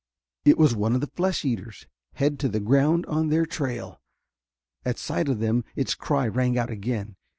It was one of the flesh eaters, head to the ground on their trail. At sight of them its cry rang out again.